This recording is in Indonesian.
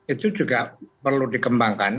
itu juga perlu dikembangkan